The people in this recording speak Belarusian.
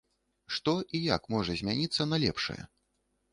Што і як можа змяніцца на лепшае?